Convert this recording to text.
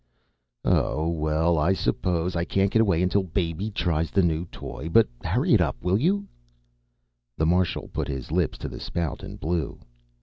"Oh, well! I suppose I can't get away until baby tries the new toy. But hurry up, will you?" The Marshal put his lips to the spout and blew.